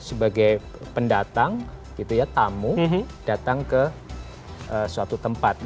sebagai pendatang gitu ya tamu datang ke suatu tempat